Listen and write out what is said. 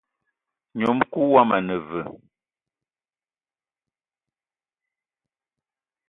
Ngnom-kou woma ane veu?